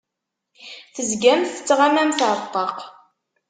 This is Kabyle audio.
Tezgamt tettɣamamt ar ṭṭaq.